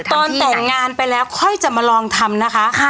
ตอนแต่งงานไปแล้วค่อยจะมาลองทำนะคะ